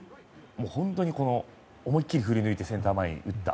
本当に思いっきり振りぬいてセンター前へ打った。